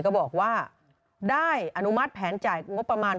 ก็บอกว่าได้อนุมัติแผนจ่ายงบประมาณ